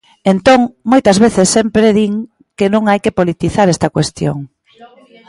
Entón, moitas veces sempre din que non hai que politizar esta cuestión.